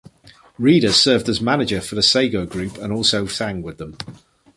Reader served as manager for the Sego group and also sang with them.